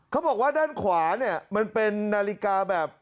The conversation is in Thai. เขาบอกว่าด้านขวาเนี่ยมันเป็นนาฬิกาแบบ